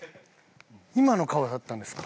今の顔だったんですか？